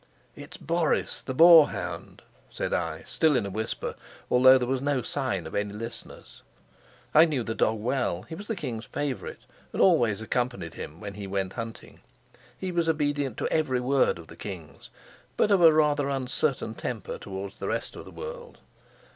"It's Boris, the boar hound," said I, still in a whisper, although there was no sign of any listeners. I knew the dog well; he was the king's favorite, and always accompanied him when he went hunting. He was obedient to every word of the king's, but of a rather uncertain temper towards the rest of the world.